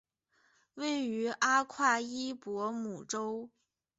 位于阿夸伊博姆州。